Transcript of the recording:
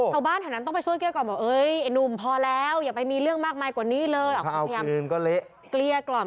เขาบ้านแถวนั้นต้องไปช่วยแกร่ก่อน